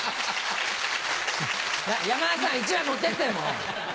山田さん１枚持ってってもう！